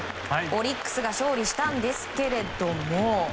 オリックスが勝利したんですけれども。